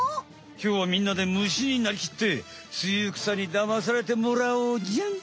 きょうはみんなで虫になりきってツユクサにだまされてもらおうじゃん！